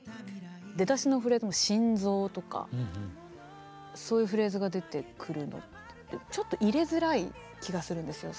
出だしのフレーズの「心臓」とかそういうフレーズが出てくるのってちょっと入れづらい気がするんですよ。